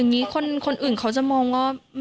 อย่างนี้คนอื่นเขาจะมองว่า